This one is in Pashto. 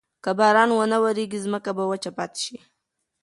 که باران ونه وریږي، ځمکه به وچه پاتې شي.